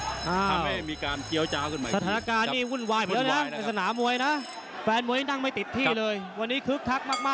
ทำให้มีการเกี้ยวจ้าวสุดใหม่